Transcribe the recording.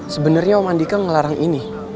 sebenernya om adhika ngelarang ini